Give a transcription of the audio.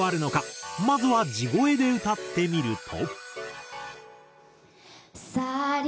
まずは地声で歌ってみると。